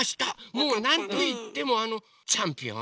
もう何といってもあのチャンピオン。